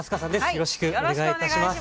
よろしくお願いします。